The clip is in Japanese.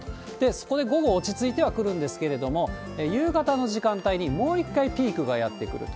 そこで午後落ち着いてくるんですけれども、夕方の時間帯にもう一回ピークがやって来ると。